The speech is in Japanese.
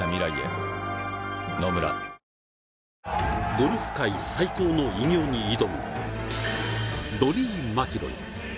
ゴルフ界最高の偉業に挑むロリー・マキロイ。